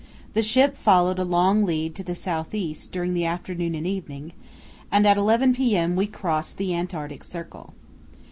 The ship followed a long lead to the south east during the afternoon and evening, and at 11 p.m. we crossed the Antarctic Circle.